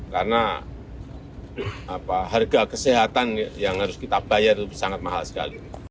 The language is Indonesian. karena harga kesehatan yang harus kita bayar sangat mahal sekali